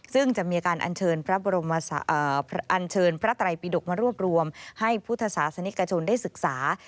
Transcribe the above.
ซึ่งจะมีการอันเชิญพระไตรปีดกมารวบรวมให้พุทธศาสนิกชนได้ศึกษา